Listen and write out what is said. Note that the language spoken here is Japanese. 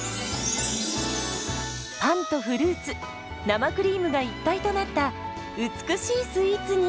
パンとフルーツ生クリームが一体となった美しいスイーツに。